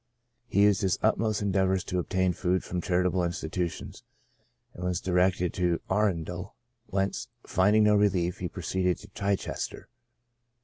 He used his utmost endeavors to obtain food from charitable institutions, and was directed to Arun del, whence, finding no relief, he proceeded to Chichester.